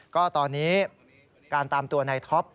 ก็ตอนนี้การตามตัวในท็อป